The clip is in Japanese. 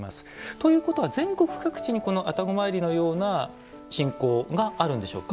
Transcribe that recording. ということは全国各地にこの愛宕詣りのような信仰があるんでしょうか。